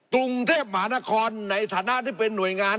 กรุงเทพมหานครในฐานะที่เป็นหน่วยงาน